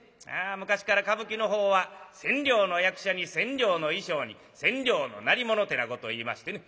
昔から歌舞伎のほうは千両の役者に千両の衣装に千両の鳴り物てなことをいいましてね。